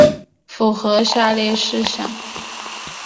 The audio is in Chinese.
符合下列事项